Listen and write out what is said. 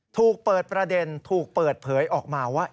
ถูกเปิดประเด็นถูกเปิดเผยออกมาว่า